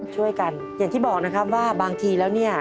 ช่วยกันอย่างที่บอกนะครับว่าบางทีแล้วเนี่ย